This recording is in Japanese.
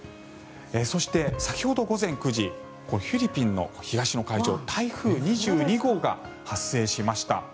そして、先ほど午前９時フィリピンの東の海上台風２２号が発生しました。